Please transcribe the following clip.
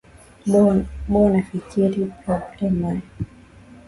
boo nafikiri probleme ee